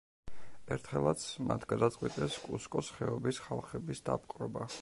ერთხელაც, მათ გადაწყვიტეს კუსკოს ხეობის ხალხების დაპყრობა.